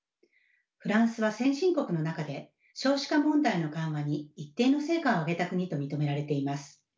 フランスは先進国の中で少子化問題の緩和に一定の成果を上げた国と認められています。